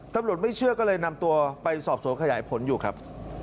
ไม่เชื่อก็เลยนำตัวไปสอบสวนขยายผลอยู่ครับ